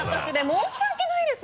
申し訳ないです。